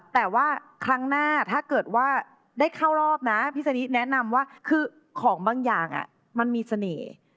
แต่ว่าครั้งหน้าถ้าเกิดว่าได้เข้ารอบนะพี่สนิแนะนำว่าคือของบางอย่างมันมีเสน่ห์